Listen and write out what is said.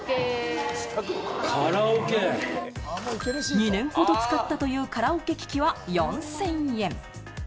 ２年ほど使ったというカラオケ機器は４０００円。